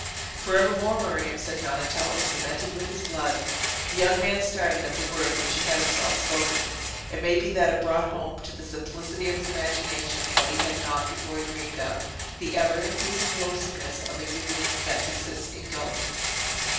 "For evermore, Miriam!" said Donatello; "cemented with his blood!" The young man started at the word which he had himself spoken; it may be that it brought home, to the simplicity of his imagination, what he had not before dreamed of, the ever increasing loathsomeness of a union that consists in guilt.